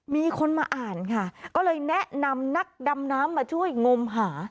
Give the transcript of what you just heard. มีคนมาอ่านค่ะก็เลยแนะนำนักดำน้ำมาช่วยงมหา